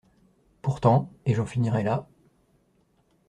Pourtant, et j’en finirai là